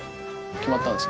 決まったんですか？